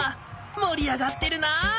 もりあがってるな。